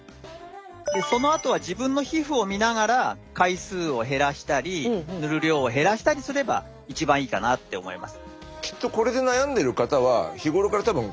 でそのあとは自分の皮膚を見ながら回数を減らしたり塗る量を減らしたりすれば一番いいかなって思います。